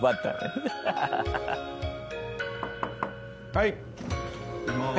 ・はい。